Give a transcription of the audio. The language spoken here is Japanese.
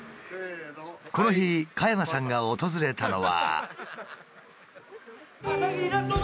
この日加山さんが訪れたのは。